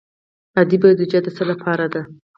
عادي بودجه د څه لپاره ده؟